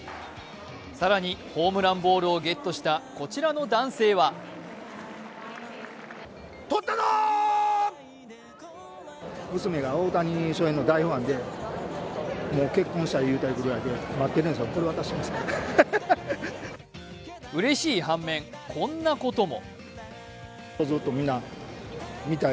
更に、ホームランボールをゲットした、こちらの男性はうれしい反面こんなことも。